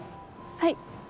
はい。